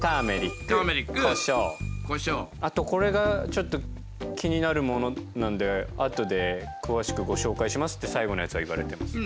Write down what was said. あとこれがちょっと気になるものなんであとで詳しくご紹介しますって最後のやつは言われてます。